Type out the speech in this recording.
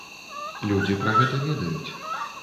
Людзі пра гэта ведаюць.